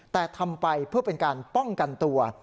แต่ทำไปเพื่อเป็นการป้องกันตัว